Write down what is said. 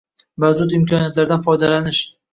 – mavjud imkoniyatlardan foydalanish.